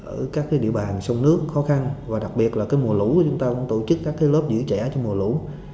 ở các địa bàn sông nước khó khăn và đặc biệt là mùa lũ chúng ta cũng tổ chức các lớp giữ trẻ trong mùa lũ